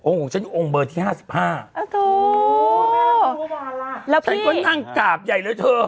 ของฉันองค์เบอร์ที่ห้าสิบห้าโอ้โหแล้วฉันก็นั่งกราบใหญ่เลยเธอ